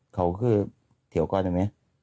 เขาก็คือเถียวก่อนเลยไหม